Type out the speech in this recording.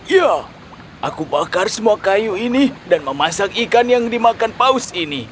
ya aku bakar semua kayu ini dan memasak ikan yang dimakan paus ini